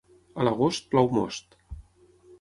A l'agost, plou most.